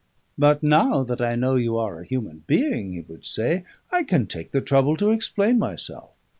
"But now that I know you are a human being," he would say, "I can take the trouble to explain myself.